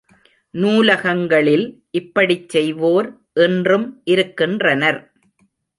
நூலகங்களில் இப்படிச் செய்வோர் இன்றும் இருக்கின்றனர்.